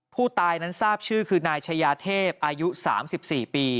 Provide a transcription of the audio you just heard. ผู้ตายนั้นทราบชื่อคือนายชายาเทพอายุ๓๔ปี